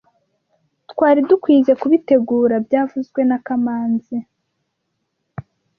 Twari dukwizoe kubitegura byavuzwe na kamanzi